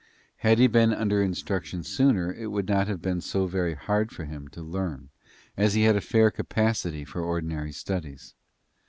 Had he been under instruction sooner it would not have been so very hard for him to learn, as he had a fair capacity for ordinary studies.